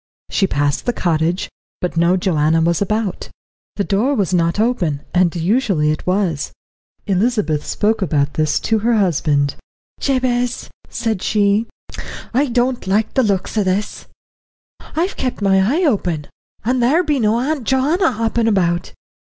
She passed the cottage, but no Joanna was about. The door was not open, and usually it was. Elizabeth spoke about this to her husband. "Jabez," said she, "I don't like the looks o' this; I've kept my eye open, and there be no Auntie Joanna hoppin' about.